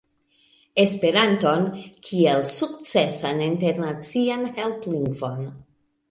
Esperanton kiel sukcesan internacian helplingvon